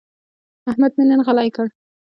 احمد مې نن غلی کړ.